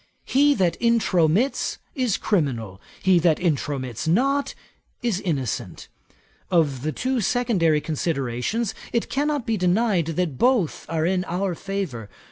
He that intromits, is criminal; he that intromits not, is innocent. Of the two secondary considerations it cannot be denied that both are in our favour.